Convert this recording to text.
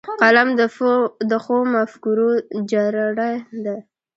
قلم د ښو مفکورو جرړه ده